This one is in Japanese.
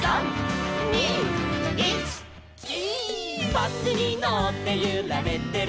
「バスにのってゆられてる」